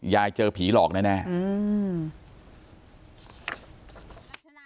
ยายเจอผีหลอกแน่แน่อืม